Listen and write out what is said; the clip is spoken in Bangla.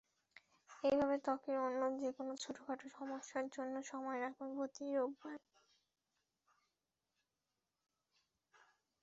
এভাবে ত্বকের অন্য যেকোনো ছোটখাট সমস্যার জন্য সময় রাখুন প্রতি রোববারে।